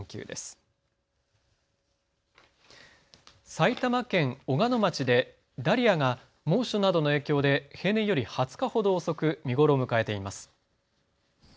埼玉県小鹿野町でダリアが猛暑などの影響で平年より２０日ほど遅く見頃を迎えています。